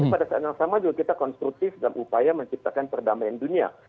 tapi pada saat yang sama juga kita konstruktif dalam upaya menciptakan perdamaian dunia